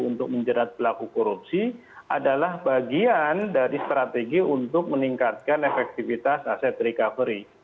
untuk menjerat pelaku korupsi adalah bagian dari strategi untuk meningkatkan efektivitas aset recovery